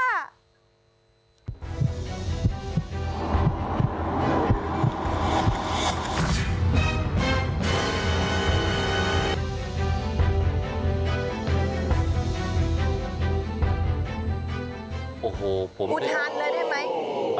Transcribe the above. อุทานเลยได้ไหม